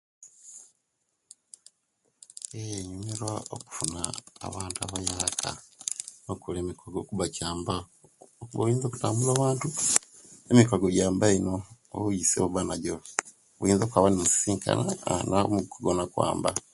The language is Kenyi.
Yee inyumirwa okufuna abantu abayaka no okukola emikwaago okuba kyamba oyinza okutambula owantu emikwaago jamba ino oluisi owobanajo oyinza okwaba nosisinkana omukwago negukwamba